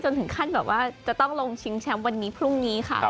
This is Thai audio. ถึงขั้นแบบว่าจะต้องลงชิงแชมป์วันนี้พรุ่งนี้ค่ะ